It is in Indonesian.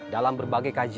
dalam berbagai kategori